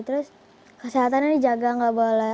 terus kesehatannya dijaga nggak boleh